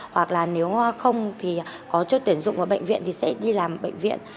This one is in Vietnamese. hoặc là nếu không thì có chốt tuyển dụng vào bệnh viện thì sẽ đi làm bệnh viện